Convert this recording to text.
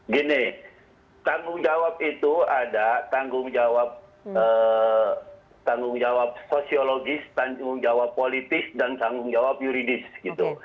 gini tanggung jawab itu ada tanggung jawab tanggung jawab sosiologis tanggung jawab politis dan tanggung jawab yuridis gitu